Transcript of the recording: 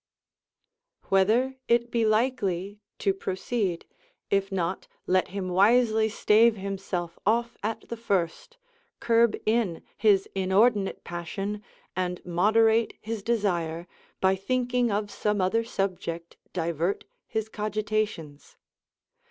Whether it be likely to proceed: if not, let him wisely stave himself off at the first, curb in his inordinate passion, and moderate his desire, by thinking of some other subject, divert his cogitations.